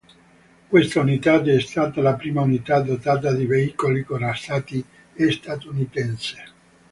Questa unità è stata la prima unità dotata di veicoli corazzati statunitense.